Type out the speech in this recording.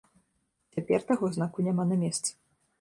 Цяпер таго знаку няма на месцы.